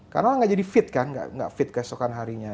karena orang gak jadi fit kan gak fit keesokan harinya